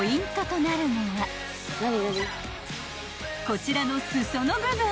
［こちらの裾の部分］